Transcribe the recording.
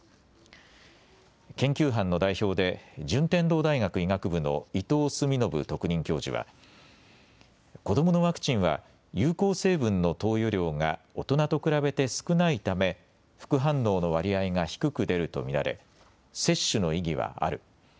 研究班の代表で順天堂大学医学部の伊藤澄信特任教授は子どものワクチンは有効成分の投与量が大人と比べて少ないため副反応の割合が低く出ると見られ接種の意義はある。